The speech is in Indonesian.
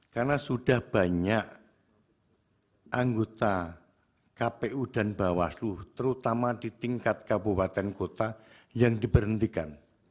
karena sudah banyak anggota kpu dan bawaslu terutama di tingkat kabupaten kota yang diberhentikan